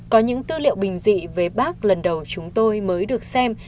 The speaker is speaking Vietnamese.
có những tư liệu bình dị với bắc lần đầu chúng tôi mới được xem